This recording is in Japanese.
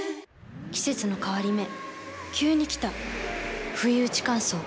季節の変わり目急に来たふいうち乾燥。